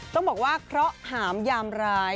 ต้องบอกว่าเคราะห์หามยามร้าย